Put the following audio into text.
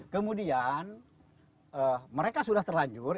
kemudian mereka sudah terlanjur